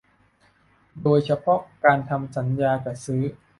โดยเฉพาะการทำสัญญาจัดซื้อ